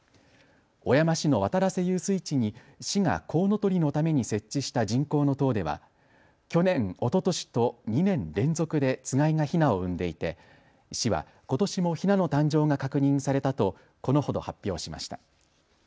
小山市の渡良瀬遊水地に市がコウノトリのために設置した人工の塔では去年、おととしと２年連続でつがいがヒナを産んでいて市はことしもヒナの誕生が確認されたとこのほど発表しました。